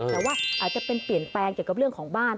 แต่ว่าอาจจะเป็นเปลี่ยนแปลงเกี่ยวกับเรื่องของบ้าน